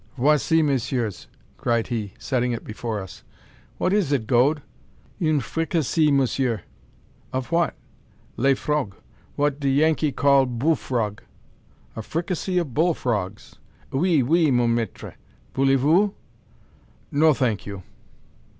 "Voici, messieurs?" cried he, setting it before us. "What is it, Gode?" "Une fricassee, monsieur." "Of what?" "Les frog; what de Yankee call boo frog!" "A fricassee of bull frogs!" "Oui, oui, mon maitre. Voulez vous?" "No, thank you!"